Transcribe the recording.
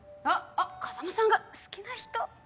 あっ風真さんが好きな人！